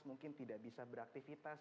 mungkin tidak bisa beraktivitas